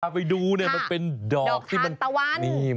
พาไปดูเนี่ยมันเป็นดอกทานตะวัน